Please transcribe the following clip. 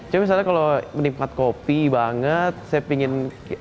cuma misalnya kalau menikmat kopi banget saya pingin